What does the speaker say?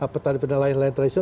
pertarungan lain lain tradisional